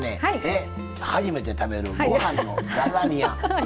初めて食べるご飯のラザニア。